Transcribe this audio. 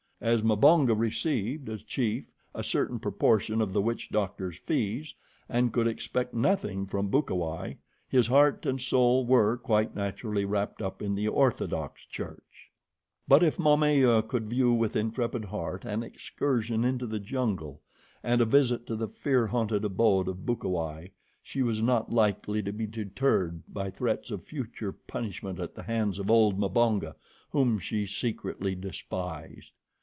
As Mbonga received, as chief, a certain proportion of the witch doctor's fees and could expect nothing from Bukawai, his heart and soul were, quite naturally, wrapped up in the orthodox church. But if Momaya could view with intrepid heart an excursion into the jungle and a visit to the fear haunted abode of Bukawai, she was not likely to be deterred by threats of future punishment at the hands of old Mbonga, whom she secretly despised.